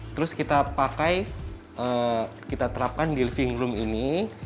terus kita pakai kita terapkan di living room ini